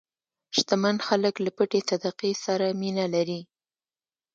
شتمن خلک له پټې صدقې سره مینه لري.